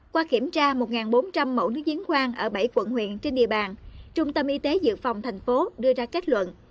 qua kiểm tra một bốn trăm linh mẫu nước giếng khoang ở bảy quận huyện trên địa bàn trung tâm y tế dự phòng tp hcm đưa ra kết luận